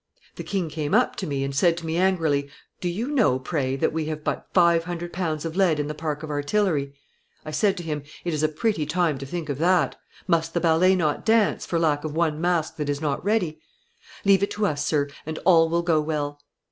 'The king came up to me, and said to me angrily, "Do you know, pray, that we have but five hundred pounds of lead in the park of artillery?" 'I said to him, 'It is a pretty time to think of that. Must the ballet not dance, for lack of one mask that is not ready? Leave it to us, sir, and all will go well.